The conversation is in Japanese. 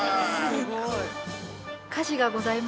すごい！